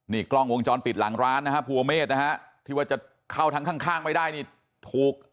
นี่กล้องวงจรปิดหลังร้านนะฮะภูเมฆนะฮะที่ว่าจะเข้าทางข้างไม่ได้นี่ถูก